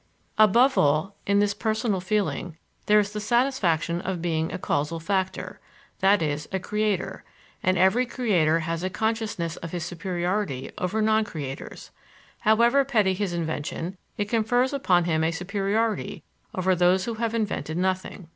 Above all, in this personal feeling, there is the satisfaction of being a causal factor, i.e., a creator, and every creator has a consciousness of his superiority over non creators. However petty his invention, it confers upon him a superiority over those who have invented nothing.